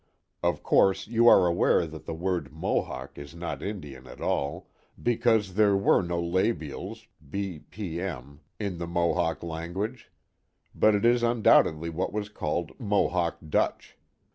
(Of course you are aware that the word " Mohawk " is not Indian at all. because there were no labials—*, p, <«— in the Mohawk language; but it is un doubtedly what was called " Mohawk Dutch.")